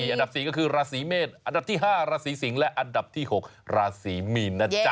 อันดับ๔ก็คือราศีเมษอันดับที่๕ราศีสิงศ์และอันดับที่๖ราศีมีนนะจ๊ะ